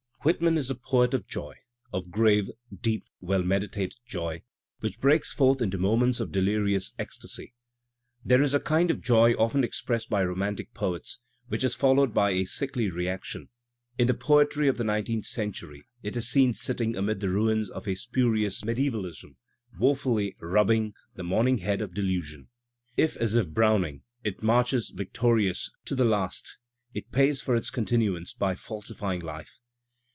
Whitman is the poet of joy, of grave, deep, well meditated joy, which breaks forth into moments of delirious ecstasy. There is a kind of joy often expressed by romantic poets which is followed by a sickly reaction; in the poetry of the nineteenth century it is seen sitting amid the ruins of a spurious medisevalism, wofully rubbing the morning head of disillusion. If, as in Browning, it marches victorious to the last, it pays for its continuance by falsifying life.